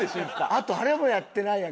あとあれもやってないやん。